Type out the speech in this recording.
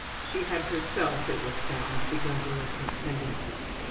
She had herself, it was found, begun delinquent tendencies.